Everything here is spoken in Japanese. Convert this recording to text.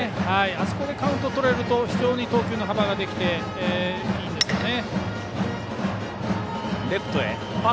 あそこでカウントをとれると非常に投球の幅が広がっていいんですけどね。